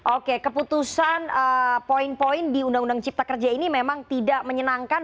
oke keputusan poin poin di undang undang cipta kerja ini memang tidak menyenangkan